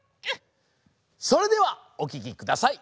それではおききください。